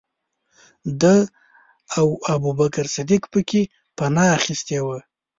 ده او ابوبکر صدیق پکې پنا اخستې وه.